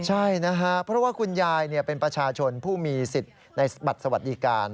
ใช่นะครับเพราะว่าคุณยายเป็นประชาชนผู้มีสิทธิ์ในบัตรสวัสดิการ